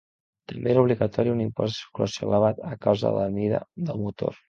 També era obligatori un impost de circulació elevat a causa de la mida del motor.